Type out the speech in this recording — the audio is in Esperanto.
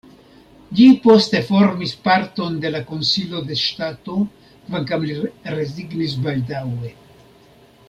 Ĝi poste formis parton de la Konsilo de ŝtato, kvankam li rezignis baldaŭe.